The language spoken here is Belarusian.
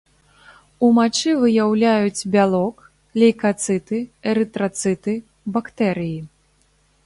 У мачы выяўляюць бялок, лейкацыты, эрытрацыты, бактэрыі.